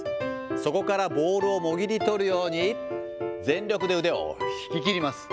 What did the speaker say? そこからボールをもぎり取るように、全力で腕を引ききります。